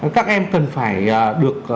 các em cần phải được